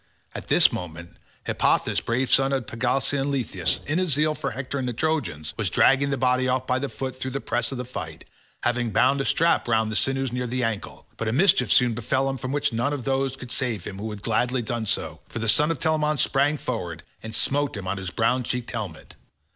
At this moment Hippothous brave son of the Pelasgian Lethus, in his zeal for Hector and the Trojans, was dragging the body off by the foot through the press of the fight, having bound a strap round the sinews near the ancle; but a mischief soon befell him from which none of those could save him who would have gladly done so, for the son of Telamon sprang forward and smote him on his bronze cheeked helmet.